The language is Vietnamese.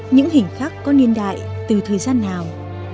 những hình khắc có niên đại từ thời gian nào